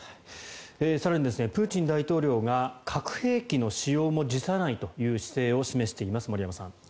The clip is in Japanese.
更に、プーチン大統領が核兵器の使用も辞さないという姿勢を示しています、森山さん。